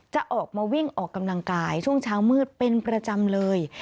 จะออกมาวิ่งออกกำลังกายช่วงเช้ามืดเป็นประจำเลย